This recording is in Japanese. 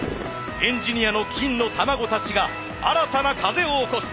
エンジニアの金の卵たちが新たな風を起こす。